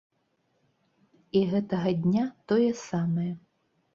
І гэтага дня тое самае.